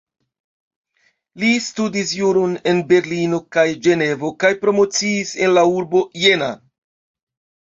Li studis juron en Berlino kaj Ĝenevo kaj promociis en la urbo Jena.